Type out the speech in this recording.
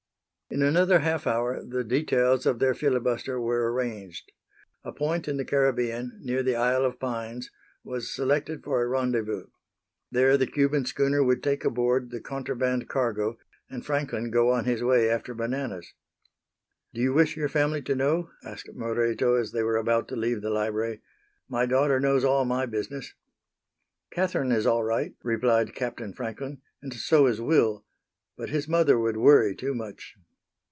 In another half hour the details of their filibuster were arranged. A point in the Caribbean, near the Isle of Pines, was selected for a rendezvous. There the Cuban schooner would take aboard the contraband cargo and Franklin go on his way after bananas. "Do you wish your family to know?" asked Moreto as they were about to leave the library. "My daughter knows all my business." "Catherine is all right," replied Captain Franklin, "and so is Will, but his mother would worry too much."